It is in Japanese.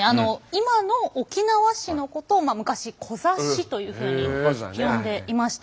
今の沖縄市のことを昔コザ市というふうに呼んでいました。